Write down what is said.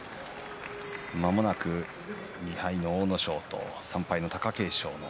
まもなく２敗の阿武咲と３敗の貴景勝。